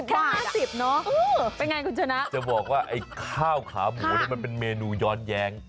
แค่๕๐เนาะเป็นไงคุณชนะจะบอกว่าไอ้ข้าวขาหมูนี่มันเป็นเมนูย้อนแย้ง